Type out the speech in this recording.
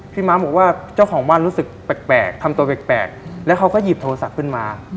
ม้าบอกว่าเจ้าของบ้านรู้สึกแปลกทำตัวแปลกแล้วเขาก็หยิบโทรศัพท์ขึ้นมา